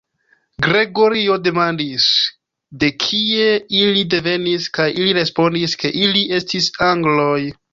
Gregorio demandis, de kie ili devenis, kaj ili respondis ke ili estis angloj.